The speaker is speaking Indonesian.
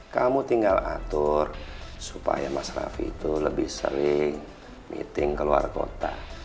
kamu tinggal atur supaya mas raffi itu lebih sering meeting ke luar kota